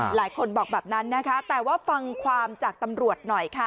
หลายคนบอกแบบนั้นนะคะแต่ว่าฟังความจากตำรวจหน่อยค่ะ